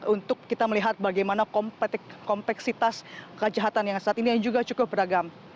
untuk kita melihat bagaimana kompleksitas kejahatan yang saat ini juga cukup beragam